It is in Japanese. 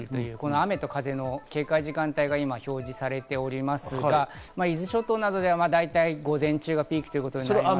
雨と風の警戒時間帯が今表示されておりますが、伊豆諸島などでは大体、午前中がピーク。